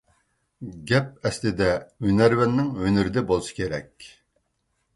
گەپ ئەسلىدە ھۈنەرۋەننىڭ ھۈنىرىدە بولسا كېرەك.